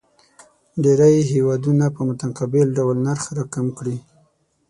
ډېری هیوادونه په متقابل ډول نرخ راکم کړي.